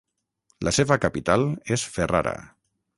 La seva capital és Ferrara.